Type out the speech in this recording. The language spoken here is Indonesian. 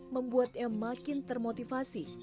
membuatnya makin termotivasi